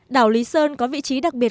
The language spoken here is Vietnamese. đảo lý sơn có vị trí đặc biệt